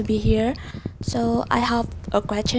bởi một đồng chí